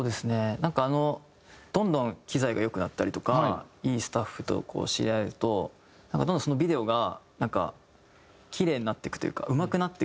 なんかあのどんどん機材が良くなったりとかいいスタッフと知り合えるとどんどんそのビデオがなんかキレイになっていくというかうまくなっていく。